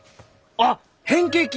あっ変形菌！